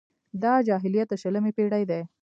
دا جاهلیت د شلمې پېړۍ دی.